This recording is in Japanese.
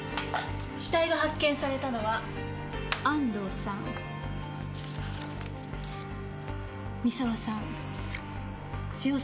死体が発見されたのは安藤さん三沢さん瀬尾さんの順。